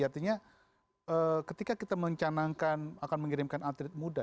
artinya ketika kita mencanangkan akan mengirimkan atlet muda